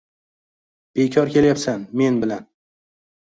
— Bekor kelyapsan men bilan.